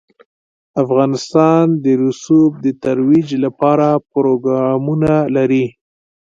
افغانستان د رسوب د ترویج لپاره پروګرامونه لري.